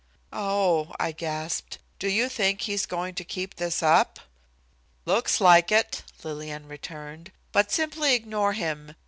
"Oh," I gasped, "do you think he's going to keep this up?" "Looks like it," Lillian returned, "but simply ignore him.